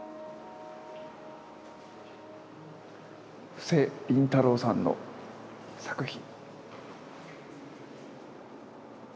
布施琳太郎さんの作品。